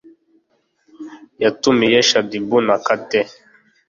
yatumiye shaddyboo na kate